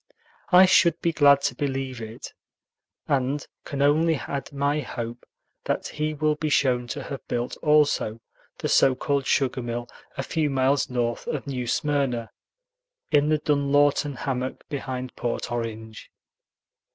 I should be glad to believe it, and can only add my hope that he will be shown to have built also the so called sugar mill a few miles north of New Smyrna, in the Dunlawton hammock behind Port Orange.